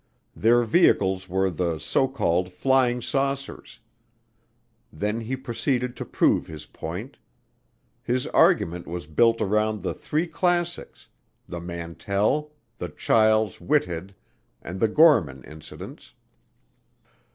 Their vehicles were the so called flying saucers. Then he proceeded to prove his point. His argument was built around the three classics: the Mantell, the Chiles Whitted, and the Gorman incidents.